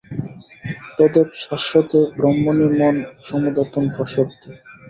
তদেব শাশ্বতে ব্রহ্মণি মন সমাধাতুং প্রসরতি।